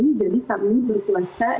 jadi kami berpuasa